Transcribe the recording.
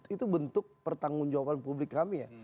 itu bentuk pertanggung jawaban publik kami ya